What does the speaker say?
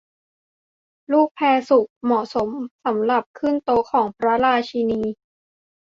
ลูกแพร์สุกเหมาะสำหรับขึ้นโต๊ะของพระราชินี